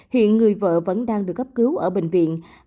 hiện người vợ vẫn đang được cấp cứu ở bệnh viện